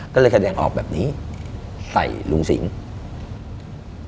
ก็เลยแสดงออกแบบนี้ใส่ลุงสิงห์